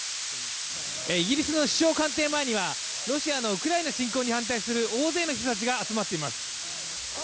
イギリスの首相官邸前にはロシアのウクライナ侵攻に反対する大勢の人たちが集まっています。